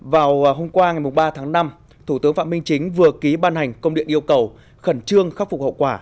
vào hôm qua ngày ba tháng năm thủ tướng phạm minh chính vừa ký ban hành công điện yêu cầu khẩn trương khắc phục hậu quả